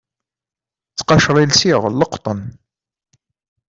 Ttqacer i lsiɣ n leqṭen.